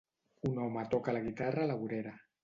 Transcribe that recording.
Un home toca la guitarra a la vorera.